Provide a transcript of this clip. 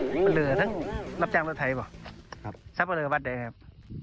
ซับเบลอทั้งรับจ้างรถไถหรือเปล่าซับเบลอบัตรได้ไงครับ